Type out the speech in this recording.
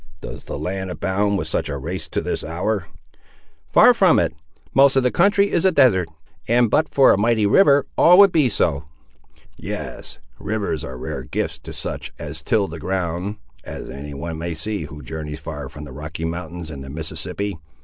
Does the land abound with such a race to this hour?" "Far from it. Most of the country is a desert, and but for a mighty river all would be so." "Yes; rivers are rare gifts to such as till the ground, as any one may see who journeys far atween the Rocky Mountains and the Mississippi.